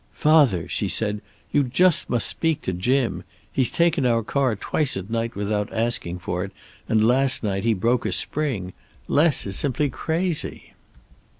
"Father," she said, "you just must speak to Jim. He's taken our car twice at night without asking for it, and last night he broke a spring. Les is simply crazy."